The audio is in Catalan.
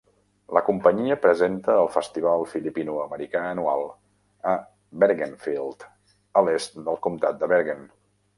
La companyia presenta el Festival filipino-americà anual a Bergenfield, a l'est del Comtat de Bergen.